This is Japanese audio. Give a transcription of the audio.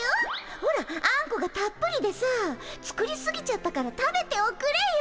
ほらあんこがたっぷりでさ作りすぎちゃったから食べておくれよ。